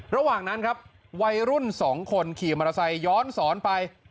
ระหว่างนั้นครับวัยรุ่น๒คนขี่มอเตอร์ไซค์ย้อนสอนไป